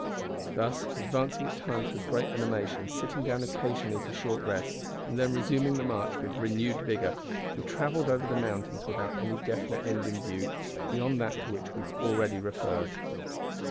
Thus, advancing at times with great animation, sitting down occasionally for short rests, and then resuming the march with renewed vigour, he travelled over the mountains without any definite end in view, beyond that to which we have already referred.